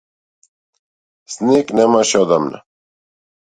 Снег немаше одамна.